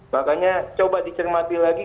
makanya coba dicermati lagi